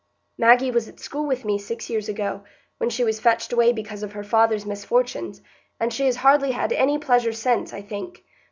Maggie was at school with me six years ago, when she was fetched away because of her father's misfortunes, and she has hardly had any pleasure since, I think.